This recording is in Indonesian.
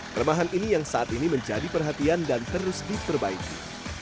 permahan ini yang saat ini menjadi perhatian dan terus diperbaiki